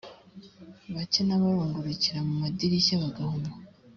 bake n abarungurukira mu madirishya bagahuma